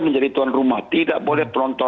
menjadi tuan rumah tidak boleh penonton